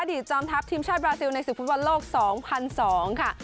จอมทัพทีมชาติบราซิลในศึกฟุตบอลโลก๒๐๐๒ค่ะ